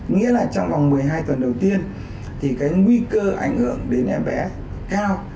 nghĩa là trong vòng một mươi hai tuần đầu tiên thì cái nguy cơ ảnh hưởng đến em bé cao